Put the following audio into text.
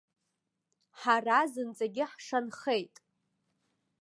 Ҳара зынӡагьы ҳшанхеит.